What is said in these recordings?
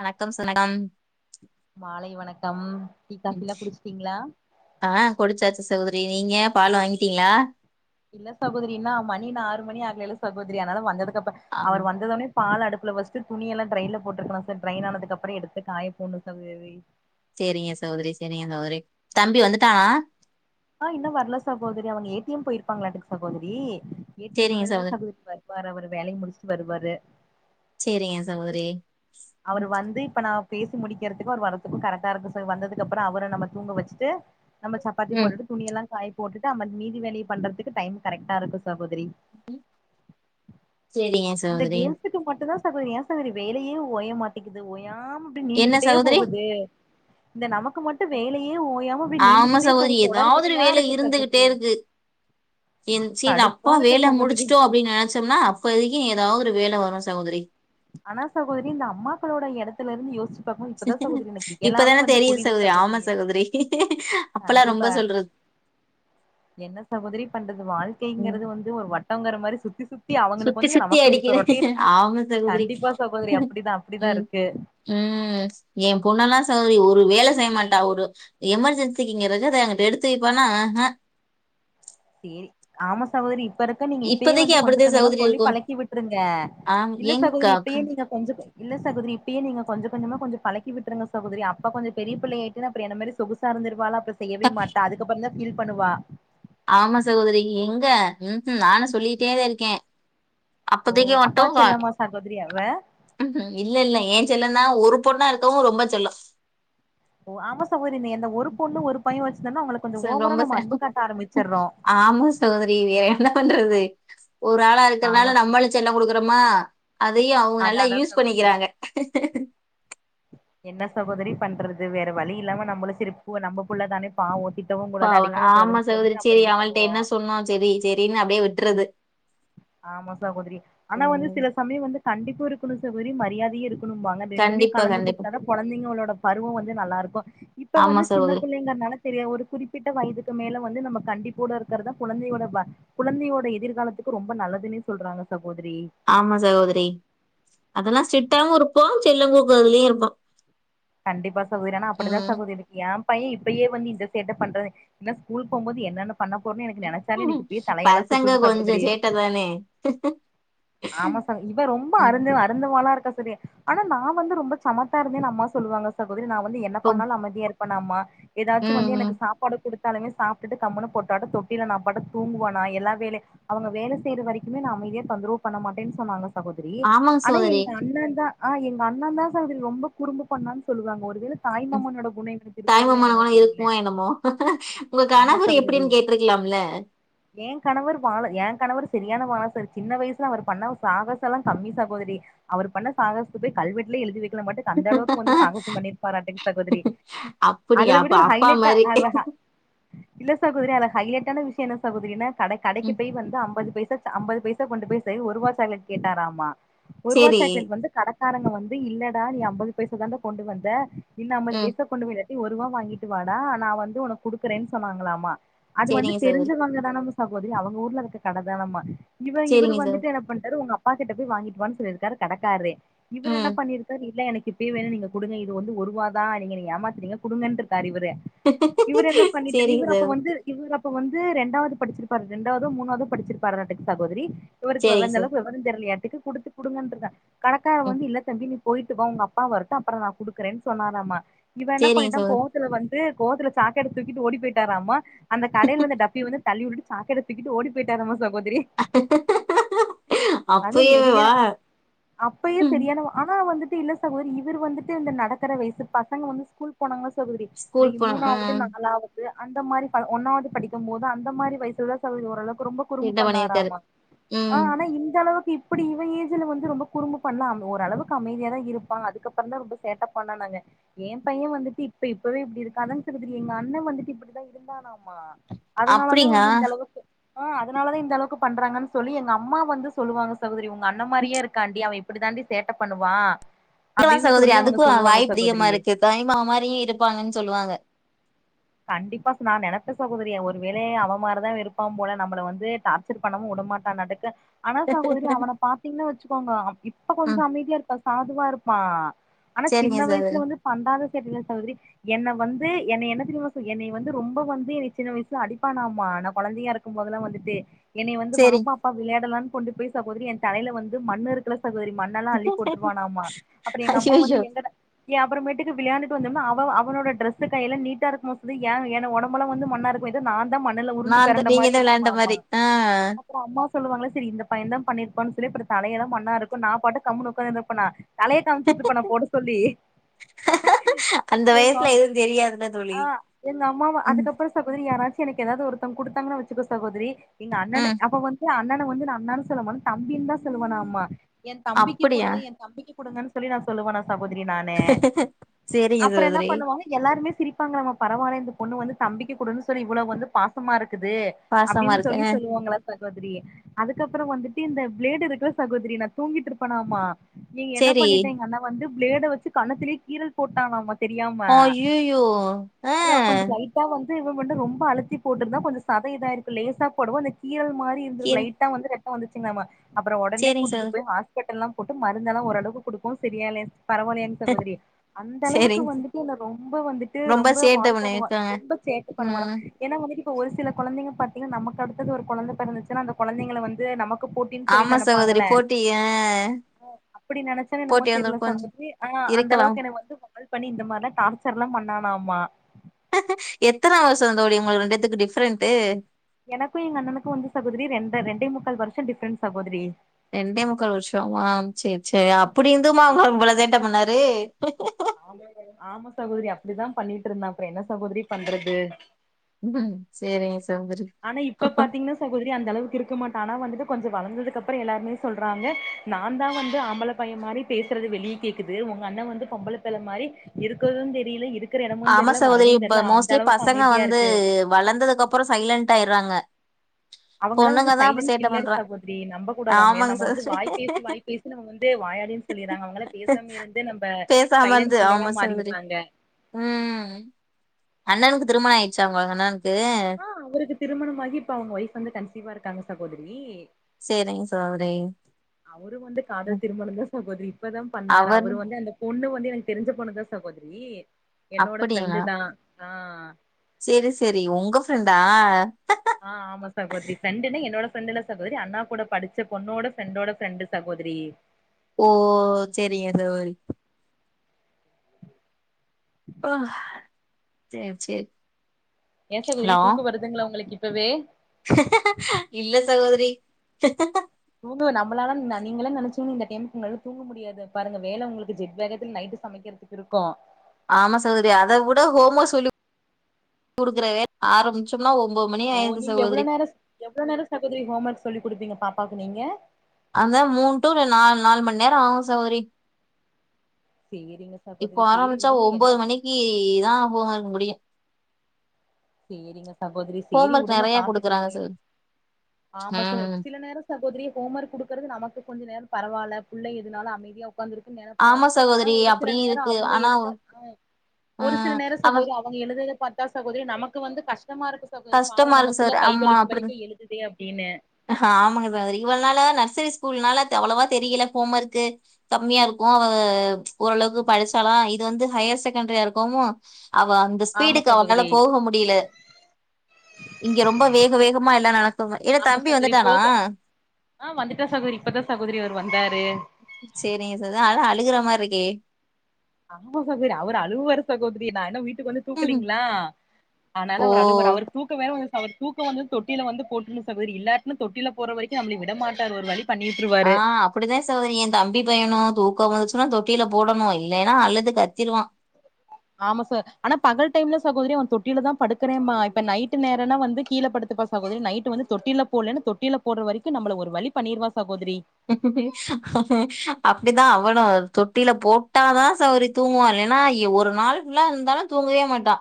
வணக்கம் சனகம் மாலை வணக்கம் டீ காஃபிலா குடிச்சிட்டிங்ளா ஆ குடிச்சாச்சு சகோதரி நீங்க பால் வாங்கிட்டிங்ளா இல்ல சகோதிரி இன்ன மணி இன்ன ஆறு மணி ஆகலிலா சகோதிரி அதனால வந்ததுக் கப்ற ஆமா அவர் வந்ததொனே பால் அடுப்புல வெச்ட்டு துணியெல்லா ட்ரெய்ன்ல போட்ருக்கன சர் டிரைன் ஆனதுக்கப்பற எடுத்து காய போடணு சகோதரி செரிங்க சகோதரி செரிங்க சகோதரி தம்பி வந்துட்டானா ஆ இன்னு வர்ல சகோதரி அவங்க ஏ டி எம் போயிருப்பாங்களாட்டுக்கு சகோதரி ஏட்டு இனிமேல்தா சகோதரி வருவாரு அவரு வேலைய முடிச்சுட்டு வருவாரு சரிங்க சகோதரி அவரு வந்து இப்ப நா பேசி முடிக்கிறதுக்கும் அவர் வரதுக்கும் கரெக்டா இருக்கு வந்ததுக்குப்புறம் அவர நம்ம தூங்க வச்சிட்டு நம்ம சப்பாத்தி ம் போட்டுட்டு துணி எல்லாம் காய் போட்டு அம ம நீதி வேலையை பண்றதுக்கு டைம் கரெக்டா இருக்கும் சகோதரி சரிங்க இந்த சகோதரி கேம்ஸக்கு மட்டும் தான் சகோதரி ஏன் சகோதரி வேலயே ஓயமாட்டேக்குது ஒய் யாம அப்படி என்ன நீண்டுக்கிட்டே சகோதரி போகுது இந்த நமக்கு மட்டும் வேலையே ஓயாம அப்படி ஆமா நீண்டுக்கிட்டே சகோதரி போகுது ஏதாவது ஒரு தொடர்கக்கதையா வேலை இருக்கு இருந்துகிட்டே சகோதரி இருக்கு என் சரி அப்பா கடுப்பா இருக்கு வேலை சகோதரி முடிச்சிட்டோம் வரு சகோதரி அனா சகோதரி இந்த அம்மாக்களோட இடத்துல இருந்து யோசிச்சு இப்பதான் சகோதரிக்கு எல்லாவே இப்பதானே வந்து தெரியுது புரியத ஆமா சகோதரி அப்பெல்லாம் ரொம்ப கண்டிப்பா சொல்றது என்ன சகோதரி பண்றது ம். வாழ்க்கைங்கிறது வந்து ஒரு வட்டங்கற மாரி சுத்தி சுத் சுத்தி சுத்தி அடிக்கிது ஆமா சகோதரி கண்டிப்பா சகோதரி உம் அப்டிதா அப்டிதா இருக்கு உம் என் பொண்ணல்லாம் சகோதரி ஒரு ஒரு வேலை செய்ய மாட்டா ஒரு எமர்ஜென்சிக்குங்க அத அங்கிட்ட எடுத்து வைப்பானா ஆஹா சேரி ஆமா சகோதரி இப்ப இருக்க நீங்க இப்பயே இப்பதைக்கு வந்து கொஞ்சம் அப்படித்தான் கொஞ்சமா சகோதரி சொல்லி இருக்கும். பழக்கி விட்டுருங்க ஆம் இல்ல சகோரி எங்கா இப்பயே க நீங்க கொஞ்ச இல்ல சகோதரி இப்பே நீங்க கொஞ்ச கொஞ்சமா கொஞ்சம் பழக்கி விட்டுருங்க சகோதரி அப்பா கொஞம் பெரியிள்ளையாகிட்டு அப்புற என்ன மெரி சொகுசா இருந்துருப்பால செய்யவே மாட்டே அதுக்கப்புறம் தான் ஃபீல் பண்ணுவா ஆமா சகோதரி எங்க ம்ம் நானும் சொல்லிட்டேதான் இருக்கேன் ஓ அப்பதக்க அப்பா மட்டும் செல்லமா சகோதரி அவ இல்ல இல்ல ஏன் செல்ல னா ஒரு பொண்ணா இருக்கவு ரொம்ப செல்லோ ஓ ஆமா சகோதிரி நீ எந்த ஒரு பொண்ணு ஒரு பைய வச் ச ரொம்ப ச ஆமா சகோதரி வேற என்ன பண்றது ஒரு ஆளா ஆமா இருக்கற்னால நம்மலு செல்லம் கொடுக்க றம்மா அதயு அவுங்க அதா நல்லா அதா யூஸ் சகோதரி பண்ணிக்கிறாங்க என்ன சகோதரி பண்றது வேற வலி இல்லாம நம்பலு சிரிப்பு நம்ம புள்ள தான பாவோ திட் பா அவன ஆமா சகோதரி சேரி அவள்ட பண்ணுவோ என்ன சொன்னோ சேரி சேரின்னு அப்டே விட்றது ஆமா சகோதிரி ஆனா வந்து ம் சில சமயோ வந்து கண்டிப்பும் இருக்கணு சகோரி மரியாதியு இருக் குணும்பாங்க ரெண்டுமே கண்டிப்பா கலந்து கண்டிப்பா குடுத்தா தா கொழந்தைகளோட பருவோ வந்து நல்லாருக்கு இப்ப ஆமா வந்து சின்ன சகோதரி புள்ளைங்கர்னால தெரியா ஒரு குறிப்பிட்ட வயதுக்கு மேல வந்து நம்ம கண்டிப் கூட இருக்கறதுத கொழந்தையோட வ குழந்தையோட எதிர்காலத்துக் ரொம்ப நல்லதுன்னே சொல்றாங்க ச ஆமா சகோதரி அதெல்லா சிட்டவு இருக்கோ செல்லோ குடுக்கறதுலயு இருப்பா கண்டிப்பா சகோரி ஆனா அப்டிதா சகோதரி இருக்கு ஏன் பைய இப்பயே வந்து இந்த சேட்ட பண்றது இன்னோ ஸ்கூல் போபோது என்னென்ன பண்ண போறேன்னு எனக்கு நெனச்சாலே எனக்கு இப்பவே தலையெல்லா பசங்க சுத்துது கொஞ்சம் சகோதரி சேட்ட தானே! ஆமா சகோரி இவ ரொம்ப ம் அருந்த அருந்தவால இருக்கா ரி ஆனா நா வந்து ரொம்ப சமத்தா இருந்தேனு அம்மா சொல்லுவாங்க சகோ தரி நா வந்து என்ன இப்போ பண்ணாலு அமைதியா இருப் பேனாமா ஏதாச்சு ம், வந்து ம். எனக்கு சாப்பாடு குடுத் டாலுமே சாப்டுட்டு கம்முனு பொட்டாடோ தொட்டில நா பாட்டு தூங்குவேனா எல்லா வேல அவுங்க வேல செய்ற வரைக்குமே நா அமைதியா தொந்துருவ் பண்ண மாட்டேன் சொன்னாங்க சகோதிரி ஆமாங்க ஆனா சகோதரி. எங்க அண்ணன் தா ஆஹ் எங்க அண்ணே தா சகோதரி ரொம்ப குறும்பு பண்ணோன்னு சொல்லுவாங்க ஒருவேல ம் தாய்மாமனோட குணோ இவனுக்கு இருக்குங்களோ என்னமோ தாய்மாமனம்லாம் தெரில இருக்குமோ என்னமோ! உங்க கணவர் எப்படின்னு கேட்டிருக்கலாம்ல! ஏன் கணவர் வாழ என் கணவர் செரியான வால் சாரி சின்ன வயசுல அவர் பண்ண சாகசம்லா கம்மி சகோதரி அவர் பண்ண சாகசத்து போய் கல்வெட்டுல எழுதி வை மட்டு அந்த அளவுக் சாகசோ பண்ணி இருப்பாராட்டோங் சாகோதரி அப்படியா! அதுல விட அப்ப ஒரு அப்பா ஹைலைட்டா மாரி. இல்ல சகோதரி அதுல ஹைலைட்டான விஷயோ என்ன சகோதிரி என்ன கட கடைக்கி ம் போய் வந்து ஐம்பது பைஸ் ஐம்பது பைசா கொண்டு பேய் செய் ஒருவா சாக்லேட் கேட்டாராமா ஒருவா சரி. சாக்லேட் வந்து கட காரவங்க வந்து இல்லடா நீ ஐம்பது பைசா தான்டா கொண்டு வந்த இன்னும் ஐம்பது ம் பைசா கொண்டு ஒரு ரூபா வாங்கிட்டு வாடா நா வந்து உனக்கு குடுக்குறேன்னு சொன்னாங்களாமா அது வந்து சரிங்க சகோதரி. தெரிஞ்சவங்கதான சாகோதரி அவுங்க ஊர்ல இருக்க கடதானமா இவே இவரு சரிங்க சகோ வந்துட்டு என்ன பண்றாரு உங்க அப் பாக்கிட்ட போய் வாங்கிட்டு வான்னு சொல்லிருக்கரு கடக்காரு இவர் என்ன ம் பண்ணி இருக்காரு இல்ல எனக் இப்பையே வேணு நீங்க குடுங்க இது வந்து ஒருவாருவா தா நீங்க நீங்க ஏமாத்துறீங்க குடுங்க தார் இவுரு இவுரு என்ன பண்ணிட்டு சரிங்க இவுரு அப்ப சகோ வந்து இவுர அ இப்ப வந்து ரெண்டாவது படிச்சிருப்பாரு ரெண்டாவுதோ மூணாவுதோ படிச்சிருப்பாரு நட்டுக்கு சகோதரி சரிங்க சகோ இவருஅந்தளவு விவரம் தெரியலையா க்கு குடுத்து குடுங்கன்றேன் கடைக்காரன் ம் வந்து இல்ல தம்பி போயிட்டு வாங்க அப்பா வருது அப்புறம் நான் குடுக்குறேன்னு சொன்னாராம்மா இவ என்ன சரிங்க பண்ணிட்டான் சகோதரி. கோவத்துல வந்து கோவத்துல சாக்க எடுத்து தூக்கிட்டு ஓடி போயிட்டாராமா அந்த கடையில் வந்து டப்பி வந்து தள்ளி விட்டு சாக்கோடு எடுத்து ஓடி போயிட்டாராம்மா கோதிரி அது நிறைய அப்பயேவா அப்பேயே ம். சரியான ஆனா வந்து [unintelligible] இவர் வந்துட்டு இந்த நடக்கிற வயசு பசங்க வந்து ஸ்கூல் போனாங்க ரி நீ ஸ்கூல் போன ஆ மூணாவது நான் நாலாவது அந்த மாதிரி ஒன்னாவது படிக்கும் போது அந்த மாதிரி வயசு தான் ச ஓரளவு ரொம்ப குறும்பு கிண்டல் பண்ணிருக்காரு. பண்ணாராமா ம். ஆனா இந்த அளவுக்கு இப்படி இவன் ஏஜ்ல வந்து ரொம்ப குறும்பு பண்ணா ஓரளவுக்கு அமைதியா தான் இருப அதுக்கப்புறம் தான் ரொம்ப சேட்டே பண்ணுனதே என் பையன் வந்துட்டு இப்ப இப்பவே இப்படி இருக்கான் எங்க அண்ணன் வந்துட்டு இப்படித்தான் இருந்தானாமா ஆமா அதனாலதான் அப்டிங்க வந்து இந்த அளவுக்கு ஆஹ் அதனாலதான் இந்த அளவுக்கு பண்றாங்கன்னு சொல்லி எங்க அம்மா வந்து சொல்லுவாங்க சகோதரி உங் அந்த மாதிரியே இருக்காண்டி அவ அப்படி தாண்டி சேட்ட பண்ணுவா இல்ல அப்டின்னு சகோதரி சொல்லி அவங்க அதுக்கும் சொல்லுவாங்க வாய்ப்பு அதிகமா சகோதரி இருக்கு தாய் மாமா மாதிரி இருப்பாங்கன்னு சொல்லுவாங்க கண்டிப்பா நான் நெனச்சேன் சகோதரியே ஒரு வேலைய அவ மாதிரிதான் இருப்பான் போல நம்ல வந்து டார்ச்சர் பண்ணாம உடமாட்டான் போல இருக்கு ஆனா சகோதரி அவனை பாத்தீங்கன்னா வச்சுக்கோங்க இப்ப ம் கொஞ்சம் அமைதியா இருக்கான் சும்மா இருப்பான் ஆனா சின்ன சரிங்க வயசுல சகோதரி வந்து பந்தாவே தெரியலே சகோதரி என்னெ வந்து என்னெ என்ன தெரியுமா என்னை வந்து ரொம்ப வந்து என்னை சின்ன வயசுல அடிப்பானாமா நான் குழந்தையா இருக்கும்போதுதெல்லாம் வந்துட்டு என்னை வந்து வா சரிங் பாப்பா விளையாடலான்னு கொண்டு போய் சகோதரி என் தலையில வந்து மண்ணு இருக்குற சகோதரி மண்ணெல்லாம் அள்ளி போட்டுருவானாமா அப்பறம் எங்க அம்மா வந்து அய்யய்யோ! என்கிட்ட அப்பறமேட்டுக்கு விளையான்டு அவ அவனோட டிரெஸ் கையில நீட்டா இருக்கும் ஏ என் ஒடம்பெல்லாம் வந்து மண்ணா இருக்கும் நான் மண்ணுல உருண்டு நான் தான் பெறண்ட நீங்க மாதிரி தான் விளையாண்ட இருக்குமாமா மாரி ஆ அப்புறம் அம்மா சொல்லுவாங்களா சரி இந்த பையன் தான் பண்ணிருப்பான் அப்படியே தலையெல்லாம் மண்ணா இருக்கும் நான் மட்டும் கம்முனு உட்கார்ந்திருப்பேனா தலைய காமிச்சிட்டு இருப்பனா போட சொல்லி அந்த ஏமா வயசுல எதுவும் தெரியாதுல்ல தோழி. ஆ எங்க அம்மாவ ம், அதுக்கப்றோ சகோதரி யாராச்சு எனக்கு ஏதாவது ஒருத்தவங்க குடுத்தாங்கனா வச்சுகோ சகோதரி எங்க அண்ண ம் அவ வந்து அ அண்ணன வந்து நா அண்ணானு சொல்லாம தம்பின்னுதா சொல்லுவணாமா எ தம்பிக்கு அப்டியா? குடுங்க எ தம்பிக்கு குடுங்கனு சொல்லி நா சொல்லுவனா சகோதரி நானு சரிங்க அப்பறோ என்ன சகோதரி பண்ணுவாங்க எல்லாருமே சிரிப்பாங்களாமா பரவால்ல இந்த பொண்ணு வந்து தம்பிக்கு குடுன்னு சொல்லி இவ்வளவு வந்து பாசமா இரு க்குது பாசமா அப்டின்னு இருக்கு. சொல்லி ஆ சொல்லுவாங்களா சகோதரி அதுக்கப்பற வந்துட்டு இந்த பிளேடு இருக்குல்ல சகோதரி நா தூங்கிட்டு இருப்பனாமா எ என்ன சரி. பண்ணிட்டா எங்க அண்ணா வந்து பிளேட வச்சு கன்னதுலே கீறல் போட்டானாமா அய்யையோ, அ அப்றோ கொஞ்சோ லைட்டா வந் து இவ மட்டு ரொம்ப அழுத்தி போட்டுருந்தா கொஞ்சோ சதை இதாயிருக்கு லேசா போடவு அந்த கீறல் மாரி இருந்துருக்கு கிர் லைட்டா வந்து ரத் வந்துச்சுங்கலாமா அப்பற ஒடனே சரிங்க சகோதரி. கூட்டிட்டுப் போய் ஹாஸ்பிடல் எல்லாம் போட்டு மருந்தெல்லாம் ஓரளவுக்கு கொடுக்கவும் சரியாலே பரவால்லாங்க சகோதரி அந்த அளவுக்கு சேரிங் ச வந்துட்டு இ ரொம்ப வந்துட்டு ரொம்ப சேட்ட வாய் பண்ணுவா பண்ணிருக்காங்க ரொம்ப சேட்ட பண்ணுவாடா ம் ஏனா வந்துட்டு ஒரு சில கொழந்தைங்க பாத்திங்கனா நமக்கு அடுத்தது ஒரு கொழந்த பெறந்துச்சுனா அந்த கொழந்தைங்கள வந்து நமக் கு போட்டின் சொல்லி ஆமா சகோதரி நெனப்பாங்கல போட்டி ஆ அப்பிடி நெனைச்சனோ என்னமோ போட்டி வந்து தெர்ல கொஞ்ச சகோதிரி ஆனா இருக்கலாம் அந்தளவுக்கு எனக்கு வந்து வால் பண்ணி இந்த மார்லா டார்ச்சர்லா பண்ணா ஆமா எத்தன வருசந்தோழி உங்க ரெண்டு பேத்துக்கு டிஃபரெண்ட்டு எனக்கு எங்க அண்ணனுக்கு வந்து சகோதிரி ரெண்டு ரெண்டே முக்கா வருஷ டிஃப்ரெண்ட் சகோதிரி ரெண்டே முக்கால் வருஷமா சேரி சேர் ஆமா அப்புடி இருந்துமா சகோதரி அவுரு இவ்ளோ சேட்ட பண்ணாரு ஆம சகோதிரி அப்டிதா பண்ணிட்ருந்தா அப்றோ என்ன சகோதிரி பண்றது ம் சேரிங்க சகோதரி ஆனா இப்ப பாத்தீங்கன்னா சகோதிரி அந்த அளவுக்கு இருக்க மாட்டா ஆனா வந்துடு கொஞ்சோ வளந்ததுக்கு அப்றோ எல்லாருமே சொல்றாங்க நான்தா வந்து ஆம்பள பைய மாரி பேசுறது வெளிய கேக்குது ஒங்க அண்ணே வந்து பொம்பள மாறி இருக்குறது தெரில இருக் ஆமா சகோதிரி இப்ப மோஸ்லி பசங்க அமைதியா இருக்கு வந்து வளந்ததுக்கு அப்றோ சைலன்டாய்ற்றாங்க அவுங்கல்லா வந்து சைலண்ட் கில்லர் பண்றா சகோதிரி நம்ப கூடாது அவுங்க ஆமாங்க நம்ம வந்து சகோதரி வாய் பேசி வாய் பேசி நம்ம வந்து வாயாடின் சொல்லிறாங்க அவுங்கல்லா பேசாமயேருந்து நம்ப பேசாம சைலண்ட் இருந்து கில்லரா ஆமா சகோதரி மாறிட்றாங்க ம் அண்ணனுக்கு திருமணோ ஆயிட்ச்சாங் ஒங்க அண்ணன் ஆ அவுருக்கு திருமணமாகி இப்ப அவங்க ஒய்ஃப் வந்து கன்சிவா இருக்காங்க சகோதிரி சேரிங்க சகோதரி அவுரும் வந்து காதல் ம். திருமணம் தா சகோதிரி இப்பதா பண்ணாரு அவர் அவரு வந்து அந்த பொண்ணு வ வந்து எனக்கு தெரிஞ்ச பொண்ணுதா சகோதிரி என்னோட ஃபிரண்டுதா ஆ அ செரி செரி உங்க பிரெண்டா ஆ ஆமா சகோதிரி ஃபிரெண்டுன்னா என்னோட ஃபிரெண்டில்ல சகோதிரி அண்ணா கூட படிச்ச பொண்ணோட ஃபிரெண்டோட ஃபிரெண்டு சகோதிரி ஓ செரி எத வரி ஆ சேரி சேரி ஏ சகோதரி ஹலோ தூக்க வருதுங்ளா உங்களுக் இப் வே இல்ல சகோதரி தூங்குவ நம்பளால நா நீங்களே நெனச்சீங்க இந்த டைமுக்கு உங்களால தூங்க முடியாது பாருங்க வேல உங்களுக்கு ஜெட் வேகத்தில் நைட்டு சமைக்கிறதுக் இருக்கு ஆமா சகோதரி அத கூட ஹோமோ சொல்லி குடுக்குறவே ஆரம்பிச்சு ஓ நீங்க எவ்ளோ நேர எவ்ளோ நேர சகோதரி ஹோம் ஒர்க் சொல்லி குடுப்பீங்க பாப் பாக்கு நீீங்க அந்த மூண் டூ இல்ல நால் நால் மண் நேரோ ஆகு சகோதரி சேரிங்க இப்போ சகோதரி சேரி ஆரம்மிச்சா விடுங்க என்ன ஒம்போது பண் மணிக்கு தா ஹோம்வொர்க் முடியு சரிங்க சகோதரி ஹோம் சரி ஒர்க் விடுங்க நெறைய பாத்துக்கல குடுக்குறாங்க அப்புற சகோதரி ஆமா ம் சில நேரம் சகோதரி ஹோம் ஒர்க் கொடுக்குறது நமக்கு கொஞ்ச நேரம் பரவாயில்ல புள்ளை இதனால அமைதியாக வந்திருக்கு நினைப்போம் ஆமா ஆனா சகோதரி ஒரு சில அப்டியு நேரம் இருக்கு அவங்க ஆனா எழுத ஆ ஒரு சில அவ நேரத்துல அவங்க எழுத [unintelligible] இதுக்கு வந்து கஷ்டம் கஷ்டமா இருக்கு சகோதரி பாவம் கஷ்டமா நம்ம இருக்கு புள்ள கை வலி வலிக்க எழுதுதே அப்படின்னு ஆ ஆமாங்க இவ்வளவு நாளா நர்சரி ஸ்கூல்னால அவ்வளவா தெரியல ஹோம் ஒர்க்கு கம்மியா இருக்கும் ஓரளவுக்கு படிச்சரலாம் இது வந்து ஹையர் செகண்டரியா இருக்கவும் அவ அந்த ஆமா ஸ்பீடுக்கு அவளால சகோதரி போக முடியல இங்க ரொம்ப வேக வேகமா எல்லாம் நடக்குங்க ஆமா சகோதரி போக ஆ வந்துட்டா சகோதரி இப்பதான் சகோதரி அவர் வந்தாரு சேரிங்க சகோதரி [unintelligible] ஆமா சகோதரி அவரு அழுவார் சகோதரி நான் இன்னும் வீட வீட்டுக்கு வந்து ம்ஹும். தூக்கலீங்களா அதனால ஓ அவரு அழுவாரு அவரு தூக்க வேற வந்சு அவரு தூக்க வந்து தொட்டில வந்து போட்டுன்னு சகோதரி இல்லாட்டி தொட்டில போற வரைக்கு நம்மள விட மாட்டார் ஒரு வழி பண்ணி விட்ருவாரு ஆஹ் அப்படித்தா சகோதரி ஏ தம்பி பையனு தூக் தூக்க வந்துச்சுன்னா தொட்டியில போடணு இல்லைன்னா அழுது கத்திருவா ஆமா சார் ஆனா பகல் டைம்ல சகோதரி தொட்டில தா படுக்கறேன்பா இப்ப நைட்டு நேரம்நா வந்து கீழ படுத்துப்பா சகோதரி நைட் வந்து தொட்டில போடல தொட்டில போடுற வரைக்கு நம்ம ஒரு வழி பண்ணிருவா சகோதரி அப்டிதா அவனு தொட்டில போட்டாதா சகோதரி தூங்குவா இல்லனா எ ஒரு நாள் ஃபுல்லா இருந்தாலு தூங்கவே மாட்டா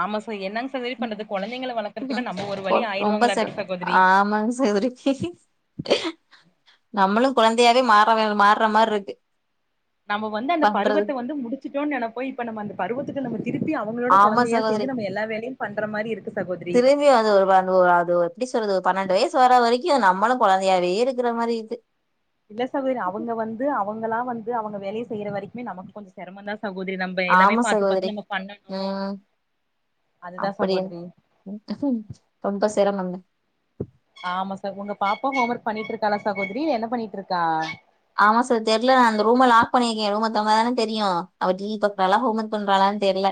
ஆமா ச என்னங்க சகோதரி பண்றது கொழந்தைங்கள வளக்கறதுக்கு நம்ம ஒரு வழி ரொம்ப சல் ஆயிருவாங்களாட்டுக்கு சகோதரி ஆமாங்க சகோதரி நம்மளும் குழந்தையாவே மாற வே மார்ற மாரிருக்கு நம்ம வந்து அந்த பருவத்தை வந்து முடிச்சுட்டோம்னு நெனைப்போ இப்ப நம்ம அந்த பருவத்துக்கு நம்ம திருப்பி அவங்களோட ஆமா கொழந்தையா சகோதரி சேந்து நம்ம எல்லா வேலையு பண்ற மாரி இருக்கு சகோதரி திரும்பி வந்து ஒரு [unintelligible] அது எப்படி சொல்றது பன்னெண்டு வயசு வர வரைக் [unintelligible] நம்மளு கொழந்தையாவே இருக்கிற மாரி இருக்கு இல்ல சகோதரி அவங்க வந்து அவங்களா வந்து அவங்க வேலையை செய்யற வரைக்குமே நமக்கு கொஞ்ச செரமந்தா சகோதரி நம்ம எல்லாமே ஆமா பாத்து பாத்து சகோதரி நம்ம பண்ணணு உம் அதுதா அப்படிய சகோதரி ரொம்ப சிரமந்தா ஆமா சார் உங்க பாப்பா ஹோம் ஒர்க் பண்ணிட்டு இருக்காலா சகோதரி என்ன பண்ணிட்ருக்கா ஆமா சார் தெரியல நா அந்த ரூம் லாக் பண்ணிருக்க ரூமை துறந்தாதானே தெரியு அவ டி வி பாக்கராலா ஹோம் வொர்க் பண்றாளான்னு தெரில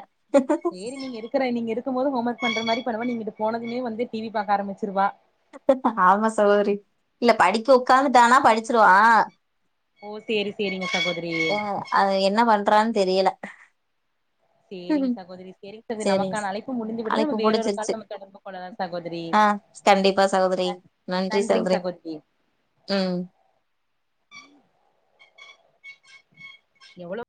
சேரி நீங்க இருக்கற நீங்க இருக்கு போது ஹோம் ஒர்க் பண்ற மாதிரி ப நீங்க இங்கிட்டு போனதுமே வந்து டி வி பாக்க ஆரம்பிச்சிருவா ஆமா சகோதரி இல்ல படிக்க உக்காந்துட்டானா படிச்சிருவா ஓ சரி சரிங்க சகோ ம் அவ என்ன பண்றான் தெரியல சேரிங் ம்ஹும். சகோதரி சேரிங் சரிங்க நமக்கான அழைப்பு முடிஞ்சு விடுது அழைப்பு வேறொரு கால் புடிச்சிருச்சு நம்ம தொடர்பு கொள்ளலா சகோதரி ஆ கண்டிப்பா சகோதரி ந நன்றி நன்றிங் சகோதரி சகோதிரி ம் எவ்வளொ